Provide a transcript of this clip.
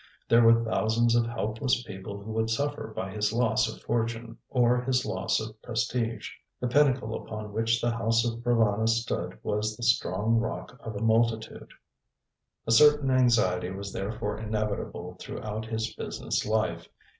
There were thousands of helpless people who would suffer by his loss of fortune, or his loss of prestige. The pinnacle upon which the house of Provana stood was the strong rock of a multitude. A certain anxiety was therefore inevitable throughout his business life.